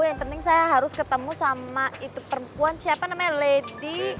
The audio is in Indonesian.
yang penting saya harus ketemu sama itu perempuan siapa namanya lady